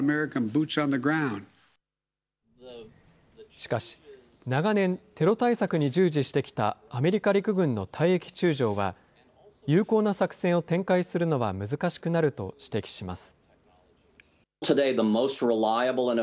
しかし、長年、テロ対策に従事してきたアメリカ陸軍の退役中将は、有効な作戦を展開するのは難しくなると指摘します。